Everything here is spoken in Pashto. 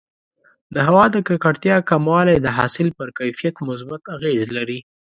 د هوا د ککړتیا کموالی د حاصل پر کیفیت مثبت اغېز لري.